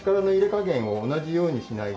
加減を同じようにしないと。